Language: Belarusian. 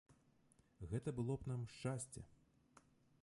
Гэта было б нам шчасце.